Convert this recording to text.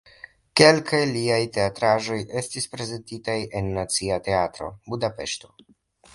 Kelkaj liaj teatraĵoj estis prezentitaj en Nacia Teatro (Budapeŝto).